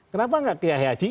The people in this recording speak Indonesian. kenapa gak kaya haji